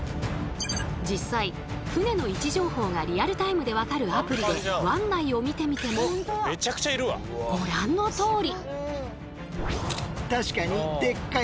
実際船の位置情報がリアルタイムで分かるアプリで湾内を見てみてもご覧のとおり！